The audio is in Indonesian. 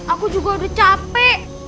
aku juga udah capek